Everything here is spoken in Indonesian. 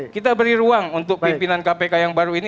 kita beri ruang untuk pimpinan kpk yang baru ini